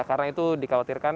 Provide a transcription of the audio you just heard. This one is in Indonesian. karena itu dikhawatirkan